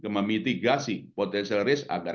memitigasi potensial risk agar